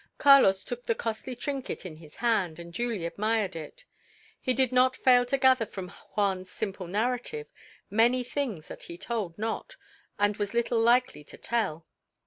Carlos took the costly trinket in his hand, and duly admired it. He did not fail to gather from Juan's simple narrative many things that he told not, and was little likely to tell.